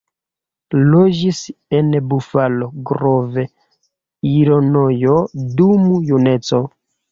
Loĝis en Buffalo Grove, Ilinojo dum juneco.